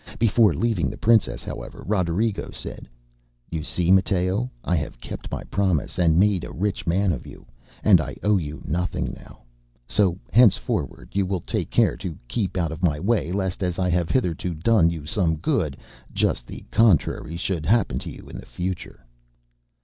Before leaving the princess, however, Roderigo said: ŌĆ£You see, Matteo, I have kept my promise and made a rich man of you, and I owe you nothing now. So, henceforward you will take care to keep out of my way, lest as I have hitherto done you some good, just the contrary should happen to you in future.